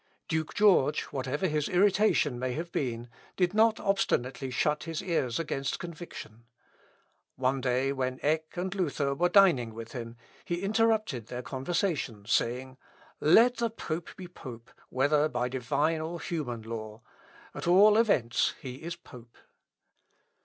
Duke George, whatever his irritation may have been, did not obstinately shut his ears against conviction. One day, when Eck and Luther were dining with him, he interrupted their conversation, saying, "Let the pope be pope, whether by divine or human law; at all events he is pope."